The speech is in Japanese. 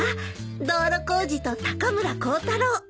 道路工事と高村光太郎。